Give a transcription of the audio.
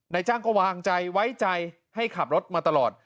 นายจ้างก็วางใจไว้ใจให้ขับรถมาตลอด